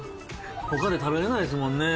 他で食べれないですもんね